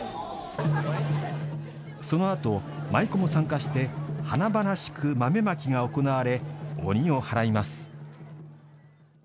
そのあと、舞妓も参加して華々しく豆まきが行われ鬼を払います。